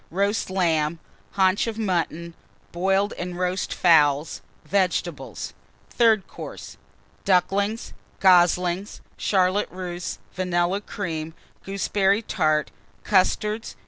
Roast Lamb. Haunch of Mutton. Boiled and Roast Fowls. Vegetables. THIRD COURSE. Ducklings. Goslings. Charlotte Russe. Vanilla Cream. Gooseberry Tart. Custards.